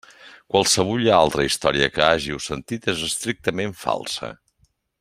Qualsevulla altra història que hàgiu sentit és estrictament falsa.